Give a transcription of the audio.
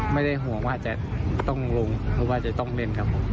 ไม่ได้ห่วงว่าจะต้องลงหรือว่าจะต้องเล่นครับผม